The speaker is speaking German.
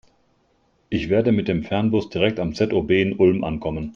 Ich werde mit dem Fernbus direkt am ZOB in Ulm ankommen.